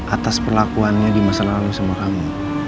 atas perlakuannya di masa lalu sama kamu